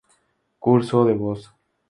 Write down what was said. Curso de voz.